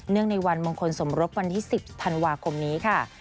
ในวันมงคลสมรบวันที่๑๐ธันวาคมนี้ค่ะ